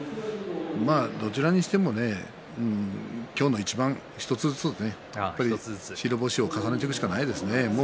どちらにしても今日の一番１つずつでね白星を重ねていくしかないですね。